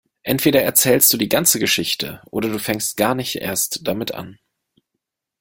Entweder erzählst du die ganze Geschichte oder du fängst gar nicht erst damit an.